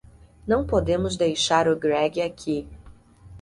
Não podemos deixar o Greg aqui.